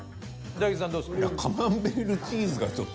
大吉さんどうですか？